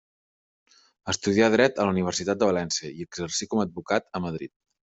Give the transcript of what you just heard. Estudià dret a la Universitat de València i exercí com a advocat a Madrid.